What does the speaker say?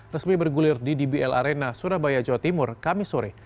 resmi bergulir di dbl arena surabaya jawa timur kamisore